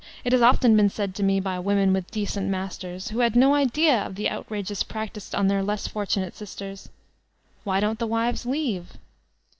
It has often been said to me, by women with decent masters, who had no klea of the outrages practiced on their less fortunate eisters, "Why don't the wives leave?"